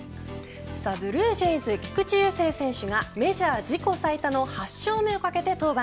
ブルージェイズ、菊池雄星選手がメジャー自己最多の８勝目を懸けて登板。